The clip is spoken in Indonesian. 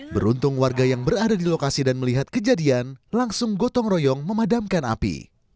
beruntung warga yang berada di lokasi dan melihat kejadian langsung gotong royong memadamkan api